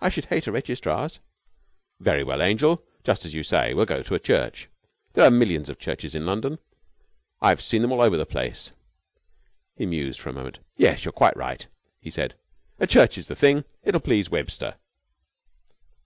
"I should hate a registrar's." "Very well, angel. Just as you say. We'll go to a church. There are millions of churches in London. I've seen them all over the place." He mused for a moment. "Yes, you're quite right," he said. "A church is the thing. It'll please Webster."